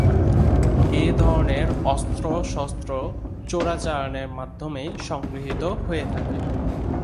এ ধরনের অস্ত্র-শস্ত্র চোরাচালানের মাধ্যমেই সংগৃহীত হয়ে থাকে।